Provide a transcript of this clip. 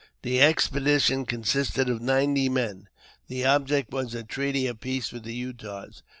The expedition consisted of ninety men : the object was a treaty of peace with the Utahs.